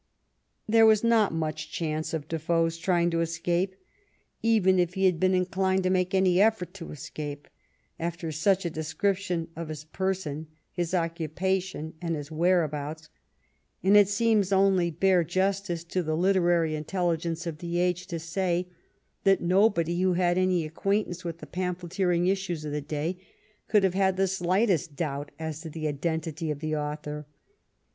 There was not much chance of Defoe's trying to escape, even if he had been inclined to make any effort at escape, after such a description of his person, his occupation, and his whereabouts, and it seems only bare justice to the literary intelligence of the age to say that nobody who had any acquaintance with the pamphleteering issues of the day could have had the slightest doubt as to the identity of the author.